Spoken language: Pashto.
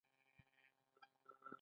د یوسف د مخ ډیوه هغه وخت بله شوه.